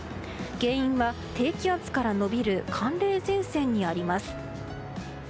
原因は低気圧から延びる寒冷前線にあります。